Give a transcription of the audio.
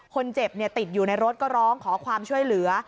คนเจ็บติดอยู่ในรถก็ร้องขอความช่วยเหลือ